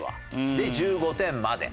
で１５点まで。